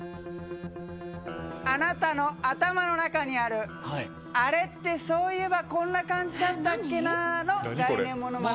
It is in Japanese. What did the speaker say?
あなたの頭の中にある「アレってそう言えばこんな感じだったっけなぁ」の概念モノマネですからね。